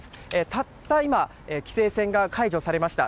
たった今規制線が解除されました。